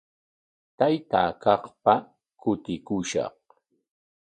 Taytaa kaqpa kutikushaq.